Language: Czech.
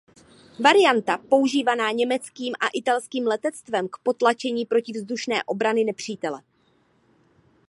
Varianta používaná německým a italským letectvem k potlačení protivzdušné obrany nepřítele.